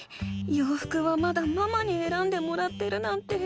ようふくはまだママにえらんでもらってるなんて。